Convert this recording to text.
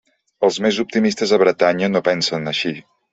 Els més optimistes a Bretanya no pensen així.